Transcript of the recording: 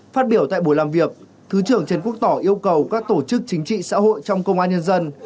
phát biểu tại buổi làm việc thứ trưởng trần quốc tỏ yêu cầu các tổ chức chính trị xã hội trong công an nhân dân